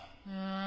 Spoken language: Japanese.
ああ。